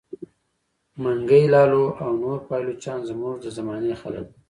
منګی لالو او نور پایلوچان زموږ د زمانې خلک وه.